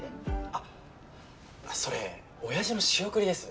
あっそれ親父の仕送りです。